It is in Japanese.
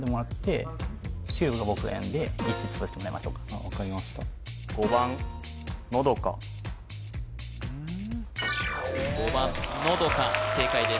今んとこ分かりました５番のどか正解です